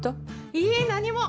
いいえ何も！